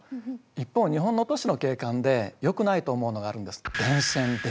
一方日本の都市の景観でよくないと思うのがあるんです。